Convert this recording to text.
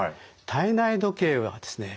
体内時計はですね